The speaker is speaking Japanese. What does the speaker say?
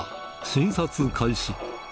診察開始。